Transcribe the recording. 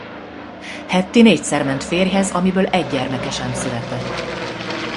Hattie négyszer ment férjehez amiből egy gyermeke sem született.